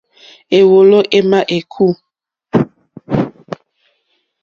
Éwòló émá ékú.